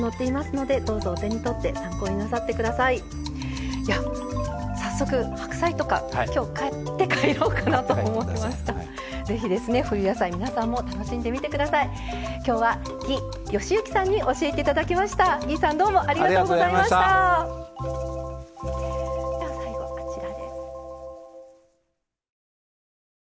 では最後こちらで。